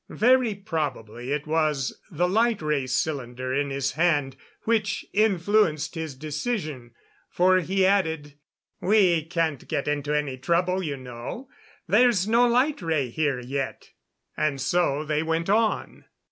Very probably it was the light ray cylinder in his hand which influenced his decision, for he added: "We can't get into any trouble, you know; there's no light ray here yet." And so they went on.